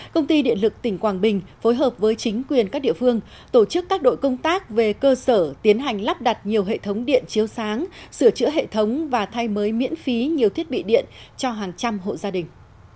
công ty điện lực tỉnh quảng bình phối hợp với chính quyền các địa phương tổ chức các đội công tác về cơ sở tiến hành lắp đặt nhiều hệ thống điện chiếu sáng sửa chữa hệ thống và thay mới miễn phí nhiều thiết bị điện cho hàng trăm hộ gia đình